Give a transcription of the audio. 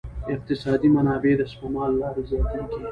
اقتصادي منابع د سپما له لارې زیاتیږي.